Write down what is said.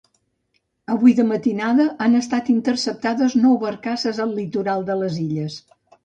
Avui de matinada han estat interceptades nou barcasses al litoral de les Illes.